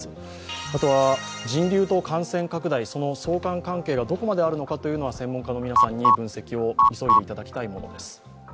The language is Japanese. あとは人流と感染拡大の相関関係がどこまであるのかというのは専門家の皆さんに分析を急いでいただきたいものです。